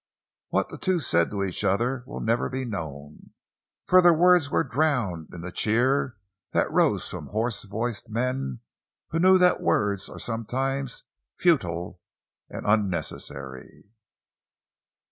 What the two said to each other will never be known, for their words were drowned in the cheer that rose from hoarse voiced men who knew that words are sometimes futile and unnecessary.